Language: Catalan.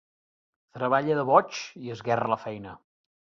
Treballa de boig i esguerra la feina.